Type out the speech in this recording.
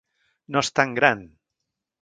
No es tan gran!